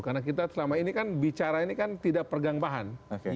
karena kita selama ini kan bicara ini kan tidak pergang bahan